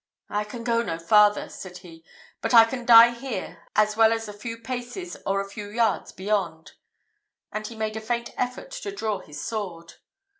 "I can go no farther," said he; "but I can die here as well as a few paces or a few years beyond;" and he made a faint effort to draw his sword.